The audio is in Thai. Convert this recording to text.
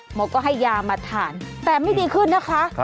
หมอก็ให้ยามาทานแต่ไม่ดีขึ้นนะคะ